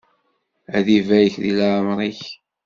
Ad ibarek di leεmeṛ-ik!